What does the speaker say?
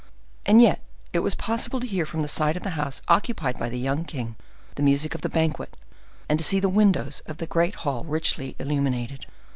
And yet it was possible to hear from the side of the house occupied by the young king the music of the banquet, and to see the windows of the great hall richly illuminated.